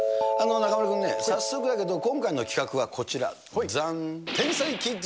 中丸君ね、早速だけど今回の企画はこちら、ざん。